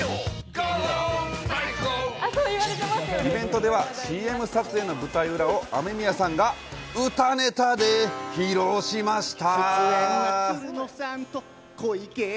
ゴーゴー、イベントではＣＭ撮影の舞台裏をアメミヤさんが歌ネタで披露しました。